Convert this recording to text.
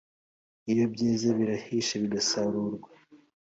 iyo byeze birahisha, bigasarurwa,